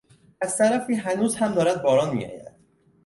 از طرفی هنوز هم دارد باران میآید.